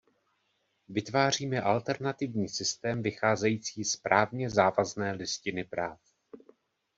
Vytváříme alternativní systém vycházející z právně závazné Listiny práv.